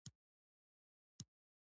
حقایق څنګه ووایو؟